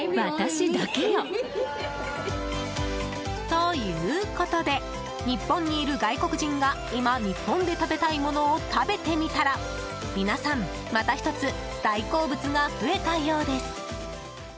ということで日本にいる外国人が今、日本で食べたいものを食べてみたら皆さん、また１つ大好物が増えたようです。